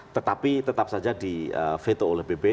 tetapi tetap saja di veto oleh bp